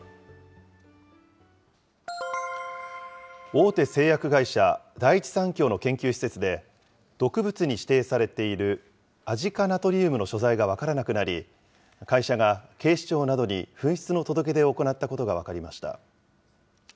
大手製薬会社、第一三共の研究施設で、毒物に指定されているアジ化ナトリウムの所在が分からなくなり、会社が警視庁などに紛失の届け出を行ったことが分かりました。